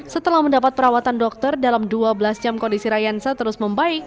setelah mendapat perawatan dokter dalam dua belas jam kondisi rayansa terus membaik